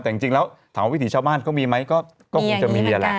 แต่จริงแล้วถามว่าวิถีชาวบ้านก็มีไหมก็คงจะมีแหละ